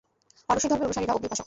পারসিক ধর্মের অনুসারীরা অগ্নি-উপাসক।